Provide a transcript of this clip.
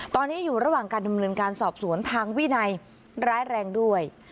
ตอนนี้อยู่ระหว่างการดำเนินการสอบสวนทางวินัยร้ายแรงด้วย